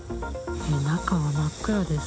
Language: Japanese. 中は真っ暗です。